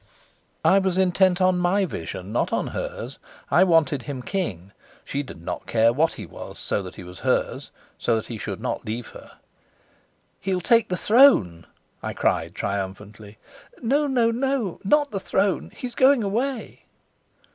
I was intent on my vision, not on hers. I wanted him king; she did not care what he was, so that he was hers, so that he should not leave her. "He'll take the throne," I cried triumphantly. "No, no, no. Not the throne. He's going away."